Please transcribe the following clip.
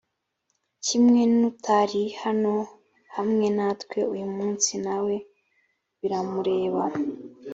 kimwe n’utari hano hamwe natwe uyu munsi nawe biramureba.